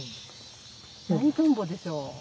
何トンボでしょう？